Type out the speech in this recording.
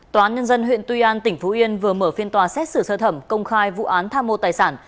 tòa án nhân dân huyện tuy an tỉnh phú yên vừa mở phiên tòa xét xử sơ thẩm công khai vụ án tham mô tài sản